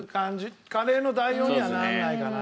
カレーの代表にはならないかな。